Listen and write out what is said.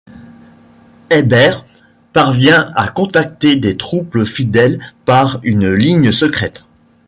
Ebert parvient à contacter des troupes fidèles par une ligne secrète.